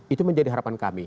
itu menjadi harapan kami